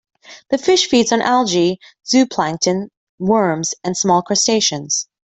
The fish feeds on algae, zooplankton, worms, and small crustaceans.